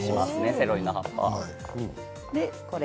セロリの葉っぱ。